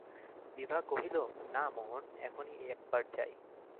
বিভা কহিল, না মোহন, এখনই একবার যাই।